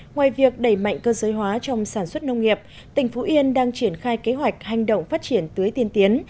ngoài việc đẩy mạnh cơ giới hóa trong sản xuất nông nghiệp tỉnh phú yên đang triển khai kế hoạch hành động phát triển tưới tiên tiến